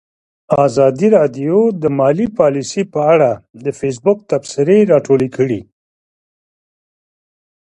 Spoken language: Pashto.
ازادي راډیو د مالي پالیسي په اړه د فیسبوک تبصرې راټولې کړي.